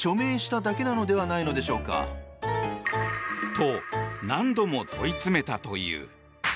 と、何度も問い詰めたという。